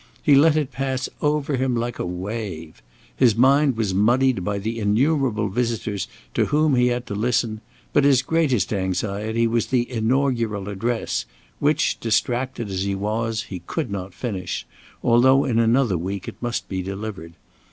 He let it pass over him like a wave. His mind was muddied by the innumerable visitors to whom he had to listen. But his greatest anxiety was the Inaugural Address which, distracted as he was, he could not finish, although in another week it must be delivered.